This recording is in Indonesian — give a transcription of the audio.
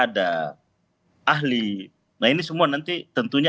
terkait dengan tu draw feelingnya